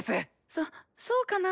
そそうかな。